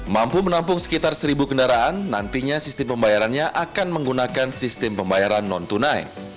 mampu menampung sekitar seribu kendaraan nantinya sistem pembayarannya akan menggunakan sistem pembayaran non tunai